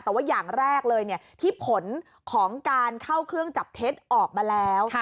แต่ว่าอย่างแรกเลยที่ผลของการเข้าเครื่องจับเท็จออกมาแล้ว